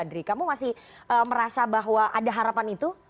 adri kamu masih merasa bahwa ada harapan itu